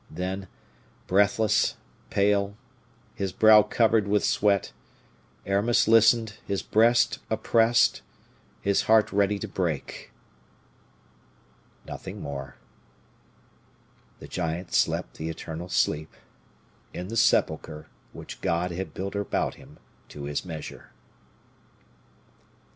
Then, breathless, pale, his brow covered with sweat, Aramis listened, his breast oppressed, his heart ready to break. Nothing more. The giant slept the eternal sleep, in the sepulcher which God had built about him to his measure.